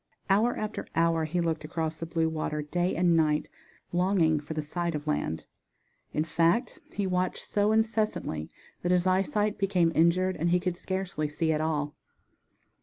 Hour after hour he looked across the blue water, day and night, longing for the sight of land. In fact, he watched so incessantly that his eyesight became injured and he could scarcely see at all.